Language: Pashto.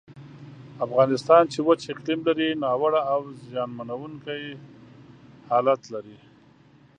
افغانستان چې وچ اقلیم لري، ناوړه او زیانمنونکی حالت لري.